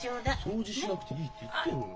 掃除しなくていいって言ってんのに。